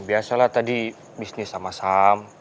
biasalah tadi bisnis sama sam